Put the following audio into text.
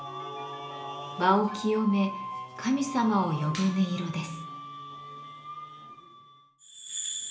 場を清め神様を呼ぶ音色です。